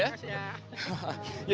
terima kasih ya